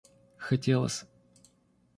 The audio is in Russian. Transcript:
хотелось